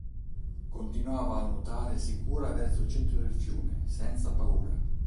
Continuava a nuotare sicura verso il centro del fiume, senza paura.